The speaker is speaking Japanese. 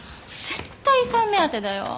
絶対遺産目当てだよ。